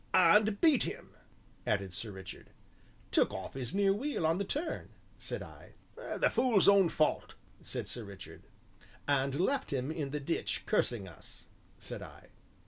"And beat him!" added Sir Richard. "Took off his near wheel on the turn," said I. "The fool's own fault," said Sir Richard. "And left him in the ditch, cursing us!" said I.